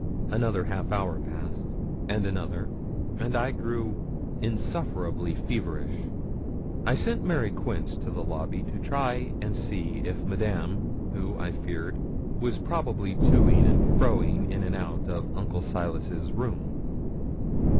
Another half hour passed, and another, and I grew insufferably feverish. I sent Mary Quince to the lobby to try and see Madame, who, I feared, was probably to ing and fro ing in and out of Uncle Silas's room.